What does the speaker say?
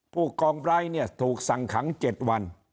ผู้กรองไบท์เนี่ยถูกสั่งขังเจ็ดวัน